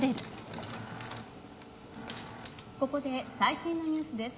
ここで最新のニュースです。